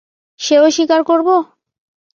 সেও স্বীকার করব?